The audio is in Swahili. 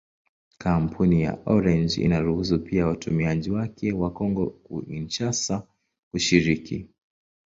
Kampuni ya Orange inaruhusu pia watumiaji wake wa Kongo-Kinshasa kushiriki.